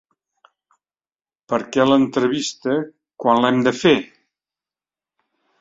Perquè l'entrevista, quan l'hem de fer?